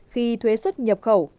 khi thuế xuất nhập khẩu giảm về